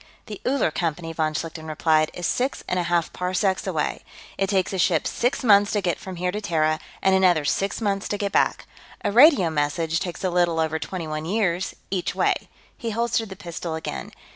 "The Uller Company," von Schlichten replied, "is six and a half parsecs away. It takes a ship six months to get from here to Terra, and another six months to get back. A radio message takes a little over twenty one years, each way." He holstered the pistol again.